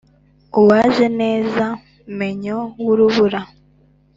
Uwajeneza menyo y'urubura.